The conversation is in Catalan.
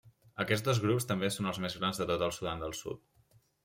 Aquests dos grups són també els més grans de tot el Sudan del Sud.